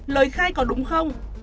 lời khai có đúng không